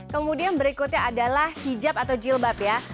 kemudian berikutnya adalah hijab atau jilbab ya